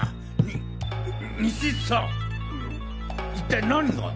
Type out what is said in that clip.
一体何が？